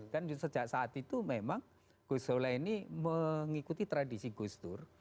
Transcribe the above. dan sejak saat itu memang gus solah ini mengikuti tradisi gus dur